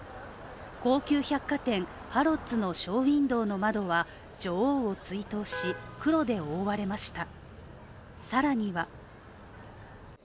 高級百貨店ハロッズのショーウインドーの窓は女王を追悼し、黒で覆われました。